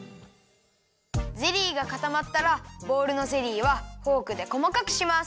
ゼリーがかたまったらボウルのゼリーはフォークでこまかくします。